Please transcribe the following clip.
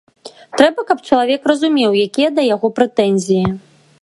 Трэба, каб чалавек разумеў, якія да яго прэтэнзіі.